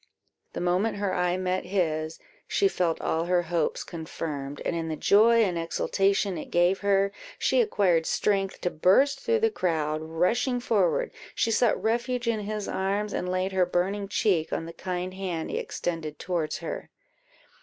The moment her eye met his, she felt all her hopes confirmed; and in the joy and exultation it gave her, she acquired strength to burst through the crowd; rushing forward, she sought refuge in his arms, and laid her burning cheek on the kind hand he extended towards her.